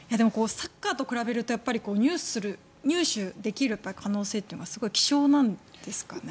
サッカーに比べるとやっぱり入手できる可能性というのがすごい希少なんですかね。